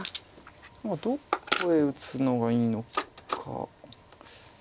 どこへ打つのがいいのか。